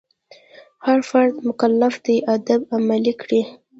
هر فرد مکلف دی آداب عملي کړي.